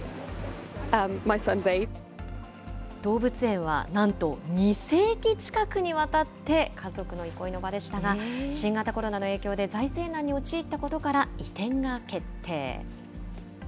動物園はなんと２世紀近くにわたって家族の憩いの場でしたが、新型コロナの影響で財政難に陥ったことから、移転が決定。